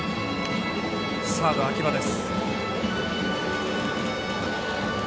サードの秋葉です。